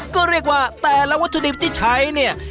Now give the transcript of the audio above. ก็เรียกว่าแต่ละวัตถุดิบที่ใช้เนี่ย